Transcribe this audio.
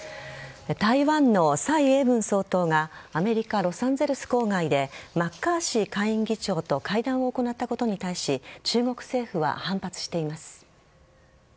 台湾の蔡英文総統がアメリカ・ロサンゼルス郊外でマッカーシー下院議長と会談を行ったことに対し中国政府は反発しています。